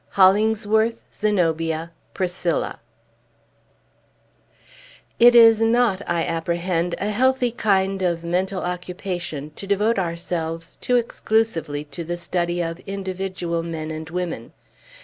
IX. HOLLINGSWORTH, ZENOBIA, PRISCILLA It is not, I apprehend, a healthy kind of mental occupation to devote ourselves too exclusively to the study of individual men and women.